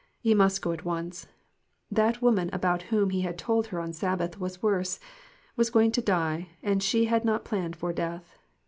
He must go at once. That woman about whom he had told her on Sabbath was worse, was going to die, and she had not planned for death.